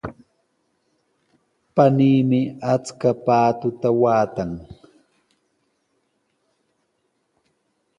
Paniimi achka paatuta waatan.